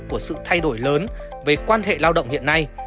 của sự thay đổi lớn về quan hệ lao động hiện nay